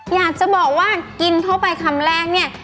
อยากจะบอกว่ากินเข้าไปคำแรกเนี่ย